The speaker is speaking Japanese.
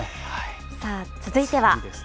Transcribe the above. さあ、続いては。